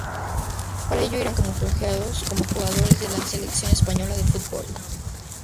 Para ello irán camuflados como jugadores de la selección española de fútbol.